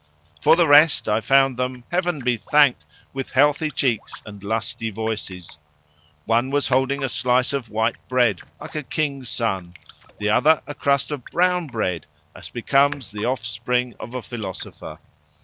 For the rest, I found them, Heaven be thanked! with healthy cheeks and lusty voices. One was holding a slice of white bread, like a king's son; the other a crust of brown bread, as becomes the offspring of a philosopher.